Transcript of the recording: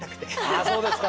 あそうですか。